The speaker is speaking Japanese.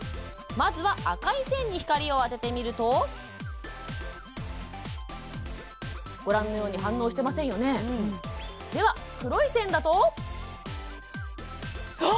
まずは赤い線に光を当ててみるとご覧のように反応してませんよねでは黒い線だとあ！